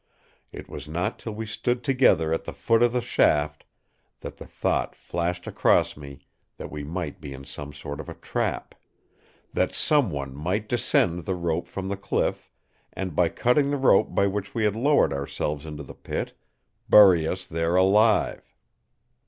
It was not till we stood together at the foot of the shaft that the thought flashed across me that we might be in some sort of a trap; that someone might descend the rope from the cliff, and by cutting the rope by which we had lowered ourselves into the Pit, bury us there alive.